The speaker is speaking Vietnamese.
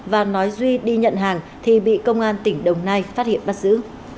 và nói duy đi nhận hàng thì bị công an tỉnh đồng nai phát hiện bắt giữ